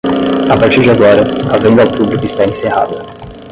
a partir de agora, a venda ao publico está encerrada